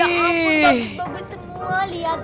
ampun bagus bagus semua lihat bu